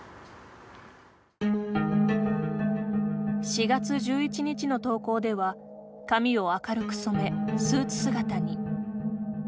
４月１１日の投稿では髪を明るく染め、スーツ姿に。